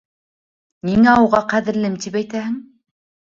Ниңә уға «ҡәҙерлем» тип әйтәһең?